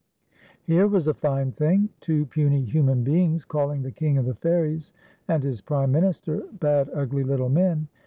Here was a fine thing ! Two puny human beings calling the King of the Fairies and his prime minister bad, ugly little men